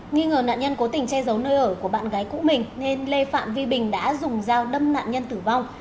nghi ngờ nạn nhân cố tình che giấu nơi ở của bạn gái cũ mình nên lê phạm vi bình đã dùng dao đâm nạn nhân tử vong